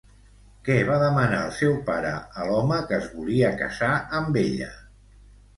Què va demanar el seu pare a l'home que es volia casar amb ella?